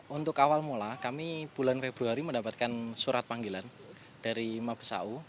untuk awal mula kami bulan februari mendapatkan surat panggilan dari mabes au